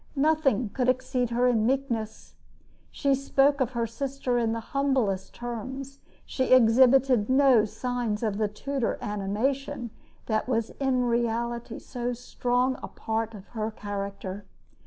Nothing could exceed her in meekness. She spoke of her sister in the humblest terms. She exhibited no signs of the Tudor animation that was in reality so strong a part of her character.